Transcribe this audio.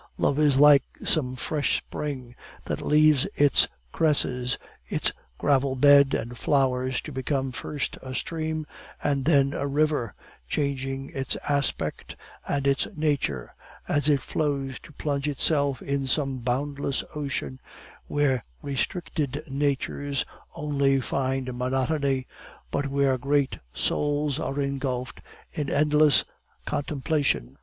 Love is like some fresh spring, that leaves its cresses, its gravel bed and flowers to become first a stream and then a river, changing its aspect and its nature as it flows to plunge itself in some boundless ocean, where restricted natures only find monotony, but where great souls are engulfed in endless contemplation.